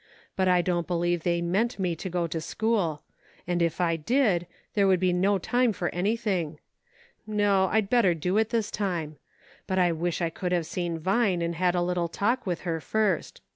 But I don't believe they meant to let me go to school ; and if I did, there would be no time for anything ; no, I'd better do it this time ; but I wish I could have seen Vine and had a little talk with her first.